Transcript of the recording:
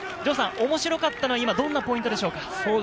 面白かったのは今、どんなポイントでしょうか？